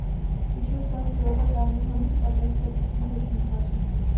Většinu svého života tráví v horních patrech tropických deštných lesů.